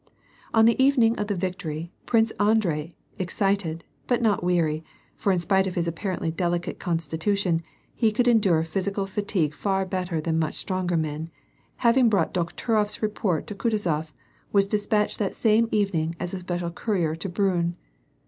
On the evening of the victory. Prince Andrei, excited, but not weary, for in spite of his apparently delicate constitution, he could endure physical fatigue far better than much stronger men, having brought Dokhturof's report to Kutuzof, was de spatched that same evening as a special courier to Briinn.